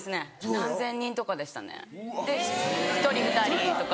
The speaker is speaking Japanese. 何千人とかでしたねで１人２人とか。